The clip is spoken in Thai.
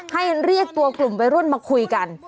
เรียกตัวกลุ่มวัยรุ่นมาคุยกัน